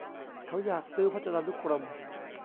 เขาอยากซื้อพจนานุกรม